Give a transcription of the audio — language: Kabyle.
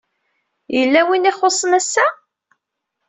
Yella win ay ixuṣṣen ass-a?